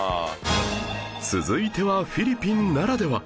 続いてはフィリピンならでは